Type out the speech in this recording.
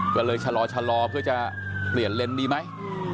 ก็เลยชะลอเพื่อจะเปลี่ยนเลนส์ดีไหม